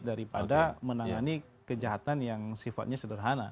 daripada menangani kejahatan yang sifatnya sederhana